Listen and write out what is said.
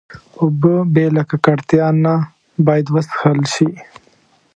اوبه بې له ککړتیا نه باید وڅښل شي.